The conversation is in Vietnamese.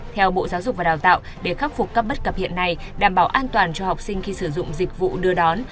theo bộ giáo dục và đào tạo để khắc phục các bất cập hiện nay đảm bảo an toàn cho học sinh khi sử dụng dịch vụ đưa đón